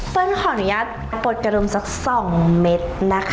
เปิ้ลขออนุญาตปลดกระดุมสักสองเม็ดนะคะ